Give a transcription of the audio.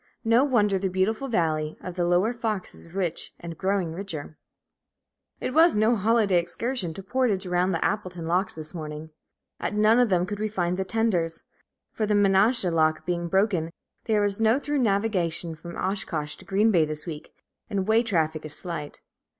No wonder the beautiful valley of the Lower Fox is rich, and growing richer. It was no holiday excursion to portage around the Appleton locks this morning. At none of them could we find the tenders, for the Menasha lock being broken, there is no through navigation from Oshkosh to Green Bay this week, and way traffic is slight.